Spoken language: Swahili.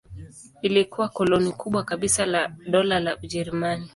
Ilikuwa koloni kubwa kabisa la Dola la Ujerumani.